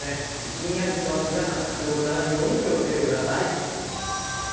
ひんやりしてます、皆さん、風邪をひかないように気をつけてください。